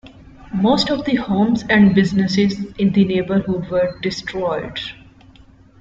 Most of the homes and businesses in the neighborhood were destroyed.